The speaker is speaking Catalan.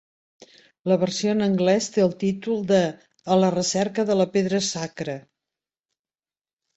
La versió en anglès té el títol de "A la recerca de la pedra sacra".